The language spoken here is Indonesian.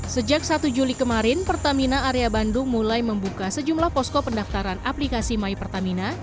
sejak satu juli kemarin pertamina area bandung mulai membuka sejumlah posko pendaftaran aplikasi my pertamina